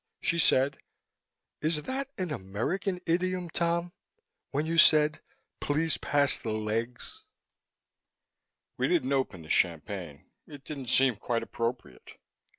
She said, "Is that an American idiom, Tom, when you said, 'Please pass the legs'?" We didn't open the champagne: it didn't seem quite appropriate.